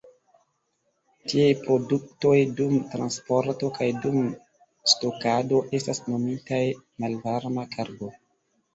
Tiaj produktoj, dum transporto kaj dum stokado, estas nomitaj "malvarma kargo".